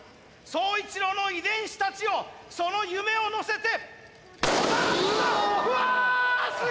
宗一郎の遺伝子たちよその夢を乗せて。